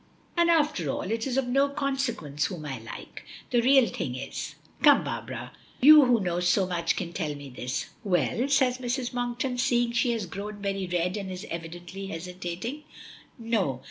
And, after all, it is of no consequence whom I like. The real thing is Come, Barbara, you who know so much can tell me this " "Well?" says Mrs. Monkton, seeing she has grown very red, and is evidently hesitating. "No.